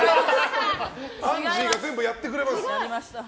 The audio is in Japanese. アンジーが全部やってくれる。